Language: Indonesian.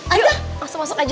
ayo masuk masuk aja